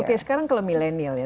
oke sekarang kalau milenial ya